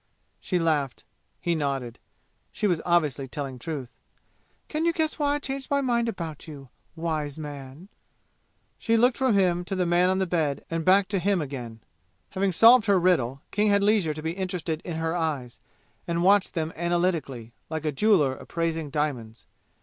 She laughed. He nodded. She was obviously telling truth. "Can you guess why I changed my mind about you wise man?" She looked from him to the man on the bed and back to him again. Having solved her riddle, King had leisure to be interested in her eyes, and watched them analytically, like a jeweler appraising diamonds.